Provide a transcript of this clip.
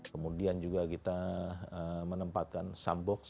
kemudian juga kita menempatkan sambox